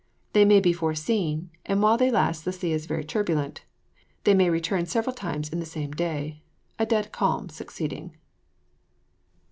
They may be foreseen, and while they last the sea is very turbulent; they may return several times in the same day, a dead calm succeeding.